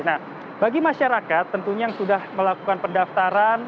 nah bagi masyarakat tentunya yang sudah melakukan pendaftaran